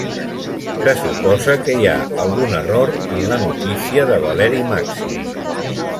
Se suposa que hi ha algun error en la notícia de Valeri Màxim.